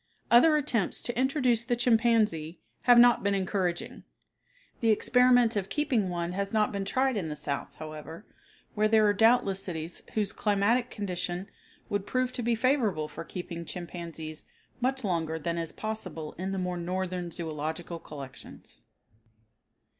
Other attempts to introduce the chimpanzee have not been encouraging. The experiment of keeping one has not been tried in the South, however, where there are doubtless cities whose climatic condition would prove to be favorable for keeping chimpanzees much longer than is possible in the more northern zoological collections.